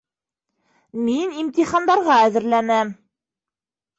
Мин имтихандарға әҙерләнәм.